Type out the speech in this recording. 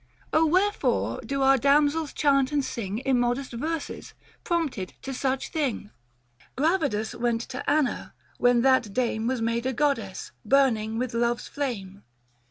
Oh wherefore do our damsels chant and sing Immodest verses, prompted to such thing ? 725 Gradivus went to Anna, when that dame Was made a goddess, burning with love's flame.